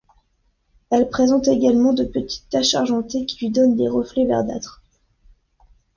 Elle présente également de petites taches argentées qui lui donne des reflets verdâtres.